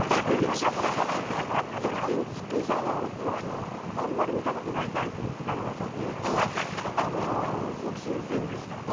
ツンツクツンさんはあまり見たことがないタイプのくだらなさですごく新鮮でした。